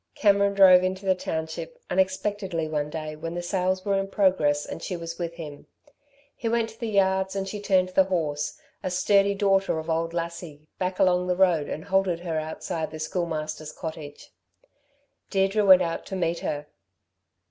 Cameron drove into the township unexpectedly one day when the sales were in progress and she was with him. He went to the yards and she turned the horse, a sturdy daughter of old Lassie, back along the road and halted her outside the Schoolmaster's cottage. Deirdre went out to meet her.